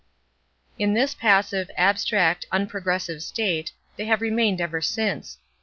In this passive, abstract, unprogressive state, they have remained ever since.